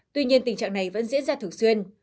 tuy nhiên tình trạng này vẫn diễn ra thường xuyên